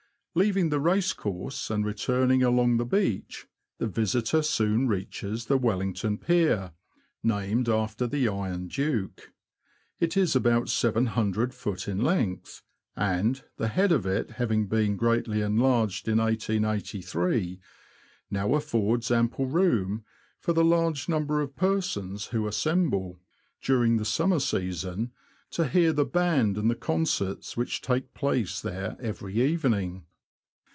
Leaving the racecourse, and returning along the beach, the visitor soon reaches the Wel lington Pier, named after the Iron Duke. It is about 700ft. in length, and, the head of it having been greatly enlarged in 1883, now affords ample room for the large number of persons who assemble, during NORWICH TO YARMOUTH. 105 the summer season, to hear the band and the concerts which take place there every evening.